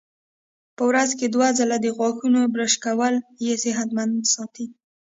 په ورځ کې دوه ځله د غاښونو برش کول یې صحتمند ساتي.